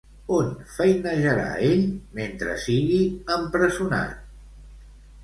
On feinejarà ell mentre sigui empresonat?